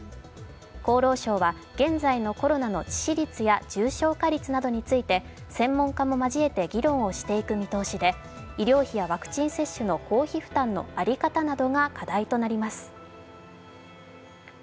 厚労省は現在のコロナの致死率や重症化率について専門家も交えて議論をしていく見通しで医療費やワクチン接種の公費負担の在り方などが課題となります。